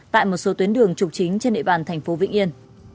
tại một số tuyến đường trục chính trên địa bàn thành phố vĩnh yên